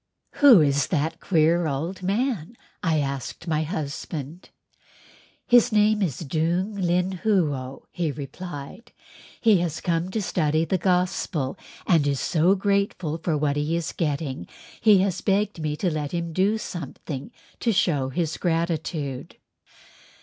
"Who is that queer old man?" I asked my husband. "His name is Doong Lin Huo," he replied, "he has come to study the Gospel and is so grateful for what he is getting he has begged me let him do something to shew his gratitude."